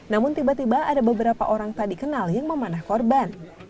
namun tiba tiba ada beberapa orang tak dikenal yang memanah korban